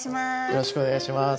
よろしくお願いします。